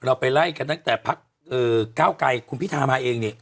เราไปไล่กันตั้งแต่พัก๙ไก่คุณผิดท้ามาเองนี่